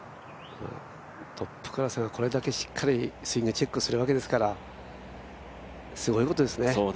トップクラスがこれだけしっかりスイングチェックするわけですからすごいことですね。